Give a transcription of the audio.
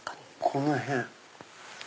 この辺。